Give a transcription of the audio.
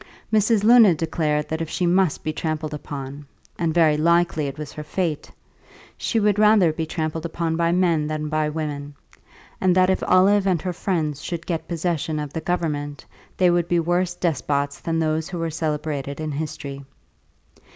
Mrs. Luna declared that if she must be trampled upon and very likely it was her fate! she would rather be trampled upon by men than by women, and that if Olive and her friends should get possession of the government they would be worse despots than those who were celebrated in history.